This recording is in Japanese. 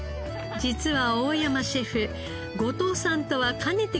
実は大山シェフ後藤さんとはかねてからの友人。